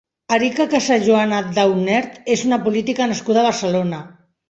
Erika Casajoana Daunert és una política nascuda a Barcelona.